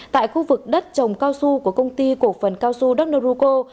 tại khu vực đất trồng cao xu của công ty cổ phần cao xu đắk nô rô cô